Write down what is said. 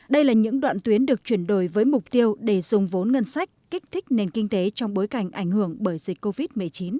đây là những đoạn tuyến được chuyển đổi với mục tiêu để dùng vốn ngân sách kích thích nền kinh tế trong bối cảnh ảnh hưởng bởi dịch covid một mươi chín